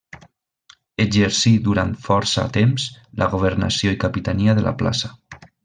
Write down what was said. Exercí durant força temps la governació i capitania de la plaça.